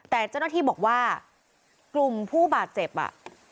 แต่เจ้าหน้าที่บอกว่ากลุ่มผู้บาดเจ็บอ่ะ